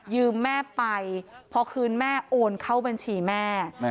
แม่ไปพอคืนแม่โอนเข้าบัญชีแม่